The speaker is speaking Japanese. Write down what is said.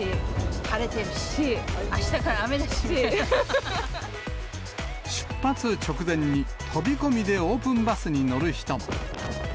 晴れてるし、あしたから雨だ出発直前に、飛び込みでオープンバスに乗る人も。